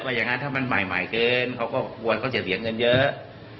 อย่างนั้นถ้ามันใหม่เกินเขาก็ควรเขาจะเสียเงินเยอะ